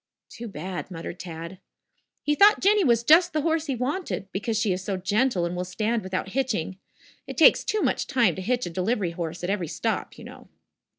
"Too bad," muttered Tad. "He thought Jinny was just the horse he wanted, because she is so gentle and will stand without hitching. It takes too much time to hitch a delivery horse at every stop, you know!"